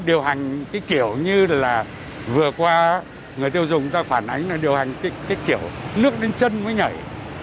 điều hành cái kiểu như là vừa qua người tiêu dùng người ta phản ánh là điều hành cái kiểu nước đến chân mới nhảy